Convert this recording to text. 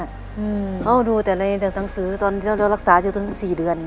เขาดูแต่ในหนังสือตอนที่เรารักษาอยู่ตั้ง๔เดือน